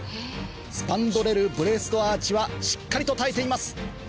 スパンドレルブレースドアーチはしっかりと耐えています